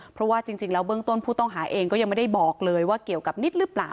เพราะว่าจริงแล้วเบื้องต้นผู้ต้องหาเองก็ยังไม่ได้บอกเลยว่าเกี่ยวกับนิดหรือเปล่า